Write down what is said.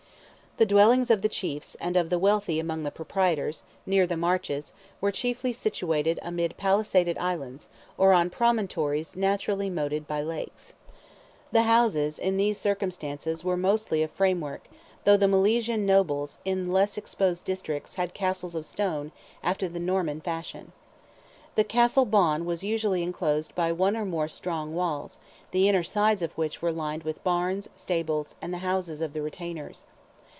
The dwellings of the chiefs, and of the wealthy among the proprietors, near the marches, were chiefly situated amid pallisaded islands, or on promontories naturally moated by lakes. The houses, in those circumstances, were mostly of framework, though the Milesian nobles, in less exposed districts, had castles of stone, after the Norman fashion. The Castle "bawn" was usually enclosed by one or more strong walls, the inner sides of which were lined with barns, stables, and the houses of the retainers.